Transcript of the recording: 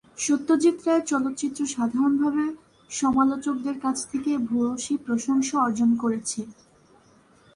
সত্যজিৎ রায়ের চলচ্চিত্র সাধারণভাবে সমালোচকদের কাছ থেকে ভূয়সী প্রশংসা অর্জন করেছে।